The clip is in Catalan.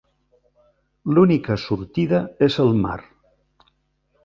L'única sortida és el mar.